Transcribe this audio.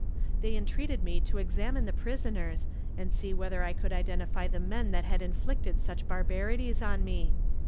They entreated me to examine the prisoners and see whether I could identify the men that had inflicted such barbarities on me.